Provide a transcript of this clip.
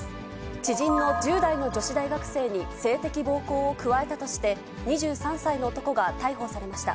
知人の１０代の女子大学生に、性的暴行を加えたとして、２３歳の男が逮捕されました。